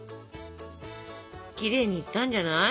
きれいにいったんじゃない？